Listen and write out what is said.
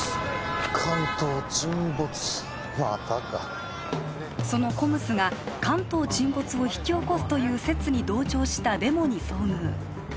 関東沈没またかそのＣＯＭＳが関東沈没を引き起こすという説に同調したデモに遭遇